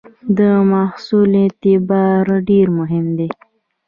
د محصول اعتبار ډېر مهم دی.